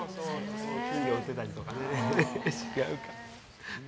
金魚売ってたりとかね。